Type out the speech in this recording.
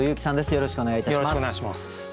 よろしくお願いします。